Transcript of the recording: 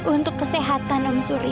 untuk kesehatan om surya